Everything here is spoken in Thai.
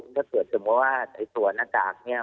ถ้าเกิดสัญญาณว่าในส่วนนักกากเนี่ย